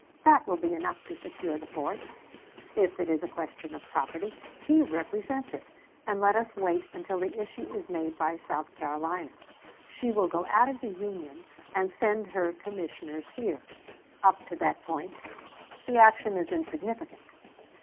That will be enough to secure the forts. If it is a question of property, he represents it, and let us wait until the issue is made by South Carolina. She will go out of the Union and send her commissioners here. Up to that point the action is insignificant.